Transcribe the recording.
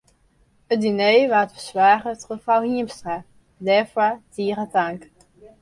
It diner waard fersoarge troch frou Hiemstra, dêrfoar tige tank.